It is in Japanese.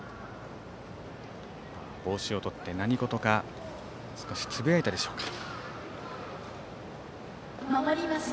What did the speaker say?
帽子を取って、何ごとか少しつぶやいたでしょうか。